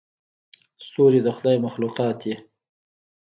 ستوري د خدای مخلوقات دي.